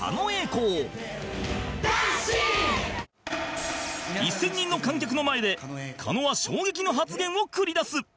「“男子”」１０００人の観客の前で狩野は衝撃の発言を繰り出す